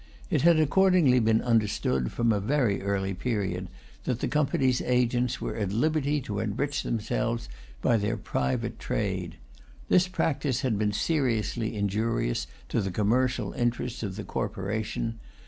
It had accordingly been understood, from a very early period, that the Company's agents were at liberty to enrich themselves by their private trade. This practice had been seriously injurious to the commercial interests of the corporation.